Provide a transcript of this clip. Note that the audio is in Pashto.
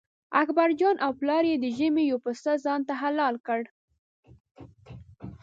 اکبرجان او پلار یې د ژمي یو پسه ځانته حلال کړ.